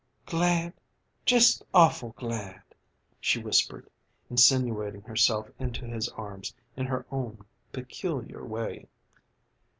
"Glad just awful glad!" she whispered, insinuating herself into his arms in her own peculiar way.